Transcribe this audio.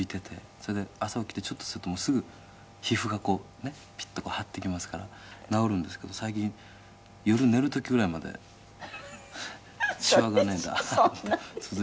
それで、朝起きてちょっとすると、もう、すぐ皮膚がピッと張ってきますから治るんですけど最近、夜寝る時ぐらいまでシワが。